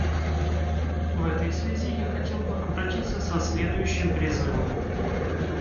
В этой связи я хотел бы обратиться со следующим призывом.